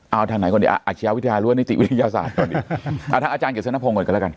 เอาทางไหนก่อนดีอาชีพวิทยาลัวนิติวิทยาลัวศาสตร์ก่อนดีอาจารย์เกี่ยวสนับโครงก่อนกันแล้วกัน